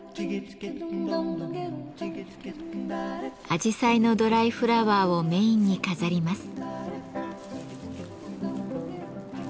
あじさいのドライフラワーをメインに飾ります。